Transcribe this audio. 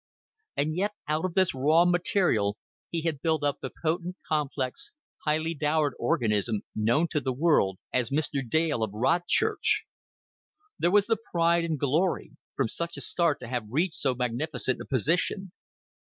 And yet out of this raw material he had built up the potent, complex, highly dowered organism known to the world as Mr. Dale of Rodchurch. There was the pride and glory from such a start to have reached so magnificent a position.